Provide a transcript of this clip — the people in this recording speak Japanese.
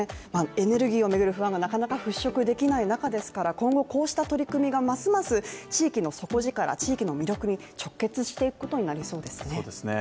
エネルギーを巡る不安がなかなか払拭できない中ですから今後こうした取り組みがますます地域の底力地域の魅力に直結していくことになりそうですね